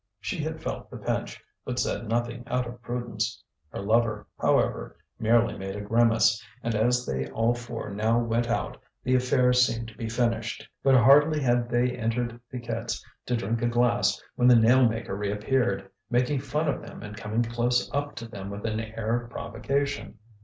She had felt the pinch, but said nothing out of prudence. Her lover, however, merely made a grimace, and as they all four now went out the affair seemed to be finished. But hardly had they entered Piquette's to drink a glass, when the nail maker reappeared, making fun of them and coming close up to them with an air of provocation.